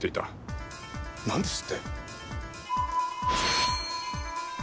なんですって？